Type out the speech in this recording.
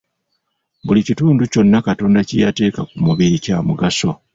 Buli kitundu kyonna Katonda kye yateeka ku mubiri kya mugaso.